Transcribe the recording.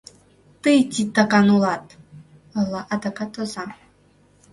— Тый титакан улат! — ойла адакат оза.